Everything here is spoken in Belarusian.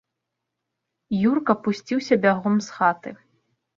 Юрка пусціўся бягом з хаты.